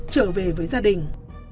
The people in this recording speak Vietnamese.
trở về với gia đình